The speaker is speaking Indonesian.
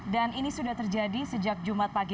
dan ini sudah terjadi sejak jumat pagi